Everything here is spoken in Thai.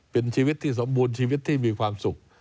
เป็นชีวิตที่สมบูรณ์ชีวิตที่มีความสุข